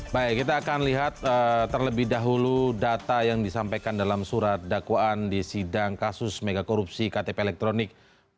baik kita akan lihat terlebih dahulu data yang disampaikan dalam surat dakwaan di sidang kasus megakorupsi ktp elektronik